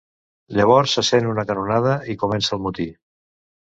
Llavors se sent una canonada i comença el motí.